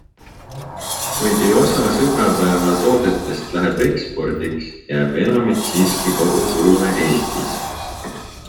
Kuigi osa sõbrapäevatoodetest läheb ekspordiks, jääb enamik siiski koduturule Eestis.